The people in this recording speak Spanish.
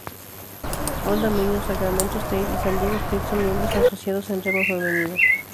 Old Dominion, Sacramento State y San Diego State son miembros asociados en remo femenino.